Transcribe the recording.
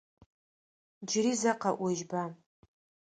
Джыри зэ къэӏожьба?